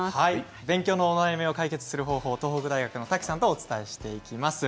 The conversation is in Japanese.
勉強のお悩みを解決する方法、東北大学の瀧さんとお伝えします。